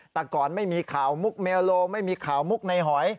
แต่ก่อนไม่มีข่าวมุกเมลโลไม่มีข่าวมุกในหอย